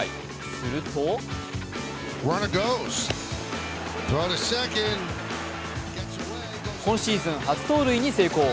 すると今シーズン初盗塁に成功。